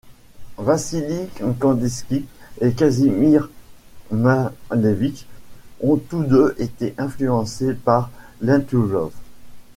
Vassily Kandinsky et Kazimir Malevich ont tous deux été influencés par Lentoulov.